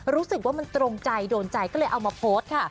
รู้สึกว่ามันตรงใจโดนใจก็เลยเอามาโพสต์ค่ะ